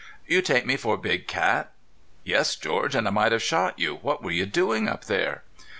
"You take me for big cat?" "Yes, George, and I might have shot you. What were you doing up there?"